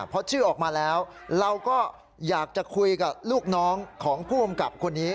พอชื่อออกมาแล้วเราก็อยากจะคุยกับลูกน้องของผู้กำกับคนนี้